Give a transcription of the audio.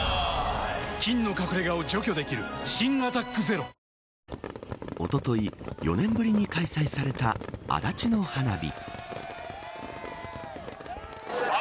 菌の隠れ家を除去できる新「アタックＺＥＲＯ」おととい、４年ぶりに開催された足立の花火。